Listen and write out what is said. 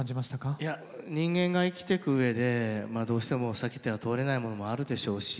いや人間が生きてくうえでどうしても避けては通れないものもあるでしょうし